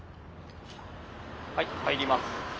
はい入ります。